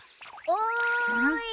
おい！